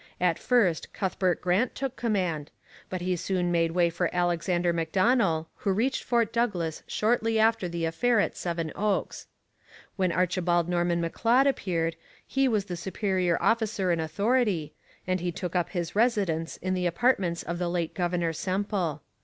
At first Cuthbert Grant took command, but he soon made way for Alexander Macdonell, who reached Fort Douglas shortly after the affair at Seven Oaks. When Archibald Norman M'Leod appeared, he was the senior officer in authority, and he took up his residence in the apartments of the late Governor Semple.